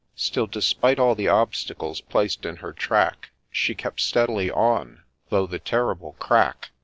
Still, despite all the obstacles placed in her track, She kept steadily on, though the terrible crack 164 THE LAY OP ST.